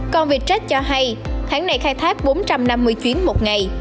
còn vietjet cho hay tháng này khai thác bốn trăm năm mươi chuyến một ngày